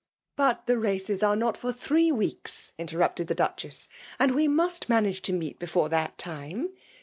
'''' But the races are not for three weeks,'' in* terrupted the Duchess ;*' and we must manage to meet before that time.